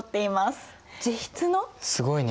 すごいね。